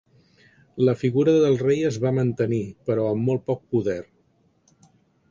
La figura del rei es va mantenir, però amb molt poc poder.